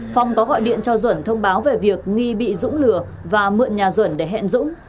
phong có gọi điện cho duẩn thông báo về việc nghi bị dũng lừa và mượn nhà duẩn để hẹn dũng